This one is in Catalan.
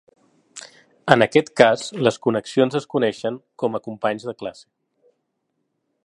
En aquest cas, les connexions es coneixen com a "companys de classe".